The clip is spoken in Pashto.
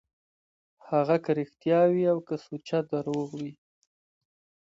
هغه که رښتيا وي او که سوچه درواغ وي.